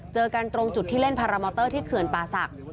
เจอกันตรงจุดที่เล่นพารามอเตอร์ที่เขื่อนป่าศักดิ